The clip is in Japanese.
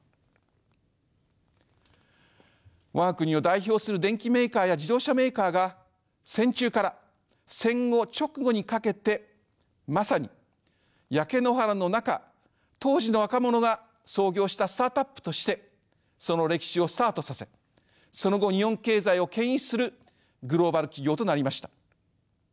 我が国を代表する電機メーカーや自動車メーカーが戦中から戦後直後にかけてまさに焼け野原の中当時の若者が創業したスタートアップとしてその歴史をスタートさせその後日本経済をけん引するグローバル企業となりました。